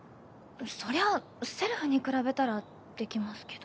そりゃあせるふに比べたらできますけど。